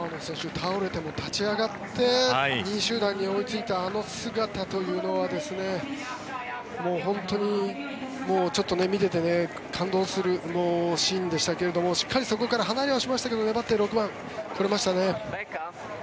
倒れても立ち上がって２位集団に追いついたあの姿というのは本当に見てて感動するシーンでしたけれどもしっかりそこから離れはしましたけど粘った６番に来れましたね。